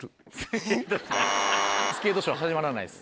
スケートショー始まらないです。